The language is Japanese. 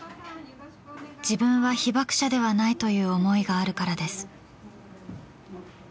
自分は被爆者ではないという思いがあるからです。